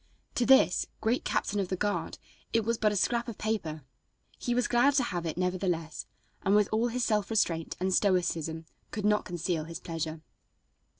To this great Captain of the guard it was but a scrap of paper. He was glad to have it nevertheless, and, with all his self restraint and stoicism, could not conceal his pleasure.